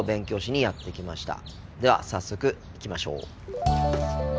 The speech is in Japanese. では早速行きましょう。